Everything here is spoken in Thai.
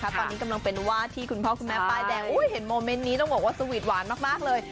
ตอนนี้กำลังเป็นวาดที่คุณพ่อคุณแม่ป้ายแดงเห็นโมเมนต์นี้ต้องบอกว่าสวีทหวานมากเลย